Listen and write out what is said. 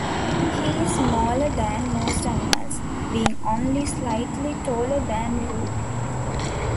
He is smaller than most animals, being only slightly taller than Roo.